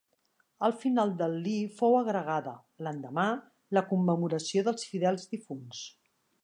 Al final del li fou agregada, l'endemà, la commemoració dels fidels difunts.